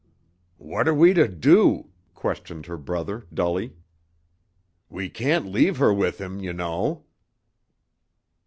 "What are we to do?" questioned her brother dully. "We can't leave her with him, you know."